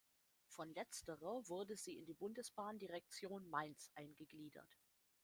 Von letzterer wurde sie in die Bundesbahndirektion Mainz eingegliedert.